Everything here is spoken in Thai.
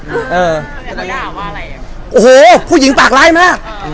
แล้วด่าว่าอะไรอ่ะโอ้โหผู้หญิงปากร้ายมาก